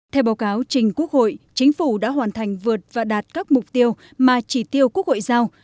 theo báo cáo trình quốc hội chính phủ đã hoàn thành vượt và đạt các mục tiêu mà chỉ tiêu quốc hội giao